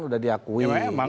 udah diakui gitu kan